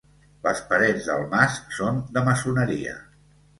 Les parets del mas són de maçoneria.